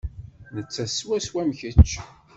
Nettat swaswa am kečč.